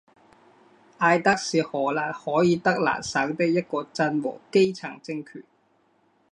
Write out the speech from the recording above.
埃德是荷兰海尔德兰省的一个镇和基层政权。